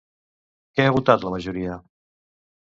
Què ha votat la majoria?